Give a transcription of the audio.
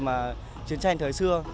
mà chiến tranh thời xưa